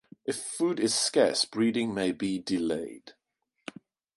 If food is scarce breeding may be delayed.